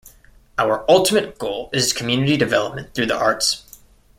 Our ultimate goal is community development through the arts.